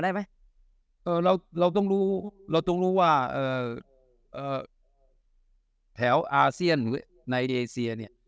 ได้ไหมเอ่อเราเราต้องรู้เราต้องรู้ว่าเอ่อแถวอาเซียนในเอเซียเนี่ย